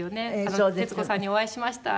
「徹子さんにお会いしました」